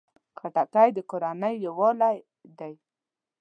خټکی د کورنۍ یووالي ده.